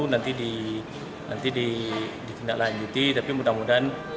nanti ditindaklanjuti tapi mudah mudahan